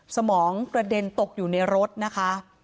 สมองกระเด็นตกอยู่ในรถนะคะ